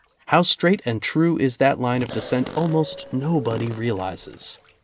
How straight and true is that line of descent almost nobody realizes.